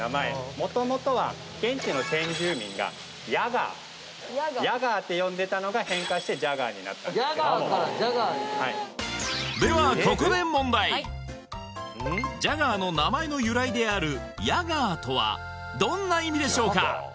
元々は現地の先住民がヤガーヤガーって呼んでたのが変化してジャガーになったとヤガーからジャガーにではここで問題ジャガーの名前の由来であるヤガーとはどんな意味でしょうか？